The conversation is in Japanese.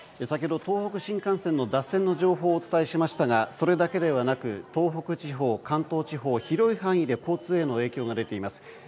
先ほど、東北新幹線の脱線の情報をお伝えしましたが東北地方、関東地方の広い範囲で交通への影響が出ています。